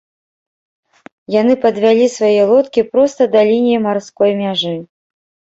Яны падвялі свае лодкі проста да лініі марской мяжы.